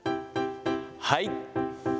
はい。